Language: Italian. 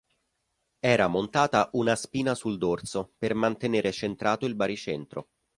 Era montata una spina sul dorso per mantenere centrato il baricentro.